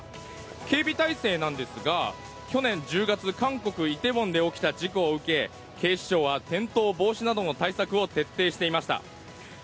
警備体制なんですが去年１０月、韓国・イテウォンで起きた事故を受け警視庁は転倒防止などの対策を徹底していました。